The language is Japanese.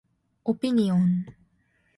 オピニオン